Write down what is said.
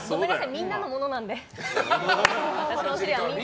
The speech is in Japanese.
みんなのものなので。